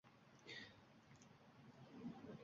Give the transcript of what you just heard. Muborizdur marazu mikroʻb ila, butun illat-la